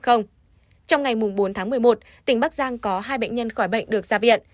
trong ngày bốn tháng một mươi một tỉnh bắc giang có hai bệnh nhân khỏi bệnh được ra viện